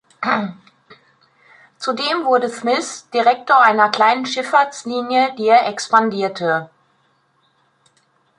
Zudem wurde Smith Direktor einer kleinen Schifffahrtslinie, die er expandierte.